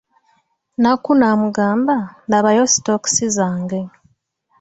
Nakku n'amugamba, labayo sitookisi zange.